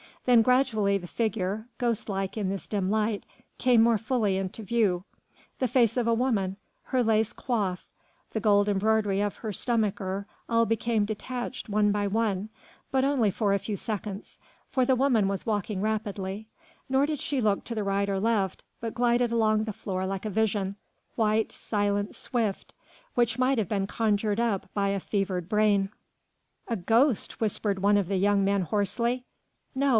Then gradually the figure ghostlike in this dim light came more fully into view; the face of a woman, her lace coif, the gold embroidery of her stomacher all became detached one by one, but only for a few seconds, for the woman was walking rapidly, nor did she look to right or left, but glided along the floor like a vision white, silent, swift which might have been conjured up by a fevered brain. "A ghost!" whispered one of the young men hoarsely. "No.